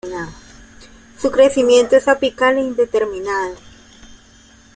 Su crecimiento es apical e indeterminado.